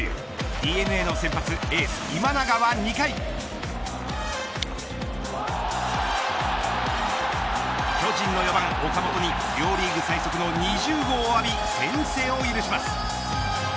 ＤｅＮＡの先発エース今永は２回巨人の４番岡本に両リーグ最速の２０号を浴び、先制を許します。